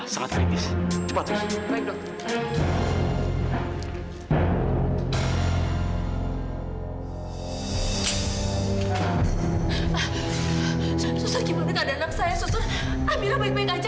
saya susur amira baik baik aja kok susur